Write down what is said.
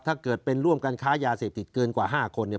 ถ้าเกิดเป็นร่วมกันค้ายาเสพติดเกินกว่า๕คนเนี่ย